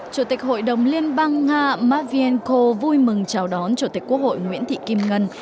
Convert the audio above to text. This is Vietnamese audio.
chủ tịch hội đồng liên bang nga matvienko vui mừng chào đón chủ tịch quốc hội nguyễn thị kim ngân